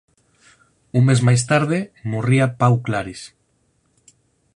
Un mes máis tarde morría Pau Claris.